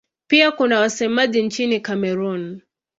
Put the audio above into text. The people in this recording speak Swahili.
Pia kuna wasemaji nchini Kamerun.